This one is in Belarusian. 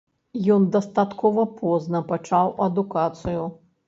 Ён дастаткова позна пачаў адукацыю.